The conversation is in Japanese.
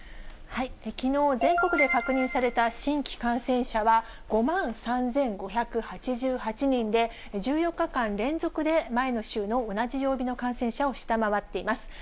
きのう、全国で確認された新規感染者は、５万３５８８人で、１４日間連続で前の週の同じ曜日の感染者を下回っています。